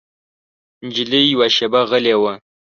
نجلۍ يوه شېبه غلې وه.